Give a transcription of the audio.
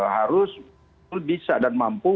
harus bisa dan mampu